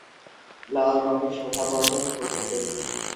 লাল রঙের শোভাবর্ধক ফুল ফোটে।